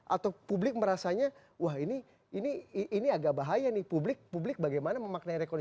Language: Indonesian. atau publik merasanya wah ini agak bahaya nih publik publik bagaimana memaknai rekonsili